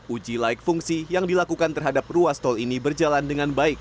uji laik fungsi yang dilakukan terhadap ruas tol ini berjalan dengan baik